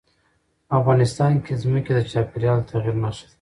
افغانستان کې ځمکه د چاپېریال د تغیر نښه ده.